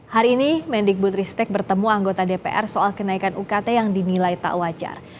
hari ini mendikbud ristek bertemu anggota dpr soal kenaikan ukt yang dinilai tak wajar